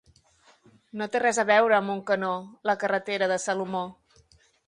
No té res a veure amb un canó, la carretera de Salomó.